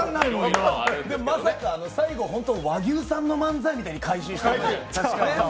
最後、和牛さんの漫才みたいに回収してた。